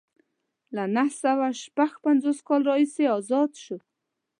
له نهه سوه شپږ پنځوس کال راهیسې ازاد شو.